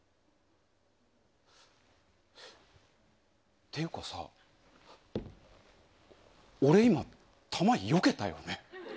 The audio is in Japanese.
っていうかさ、俺今、弾よけたよね。